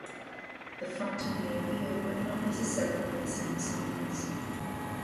The front and rear wheel were not necessarily the same size.